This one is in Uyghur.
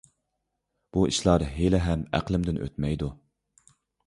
بۇ ئىشلار ھېلىھەم ئەقلىمدىن ئۆتمەيدۇ.